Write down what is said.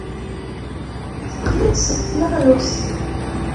Teqqel-d seg tneɣlust.